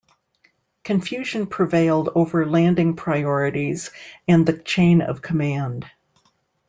Confusion prevailed over landing priorities and the chain of command.